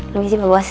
permisi pak bos